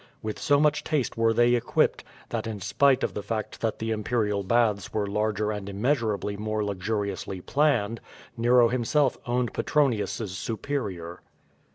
With so much taste were they equipped, that in spite of the fact that the imperial baths were larger and im measurably more luxuriously planned, Nero himself owned Petronius's superior.